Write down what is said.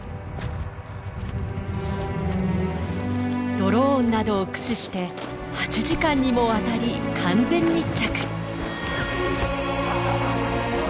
ドローンなどを駆使して８時間にもわたり完全密着！